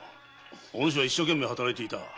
おぬしは一生懸命働いていた。